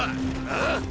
ああ！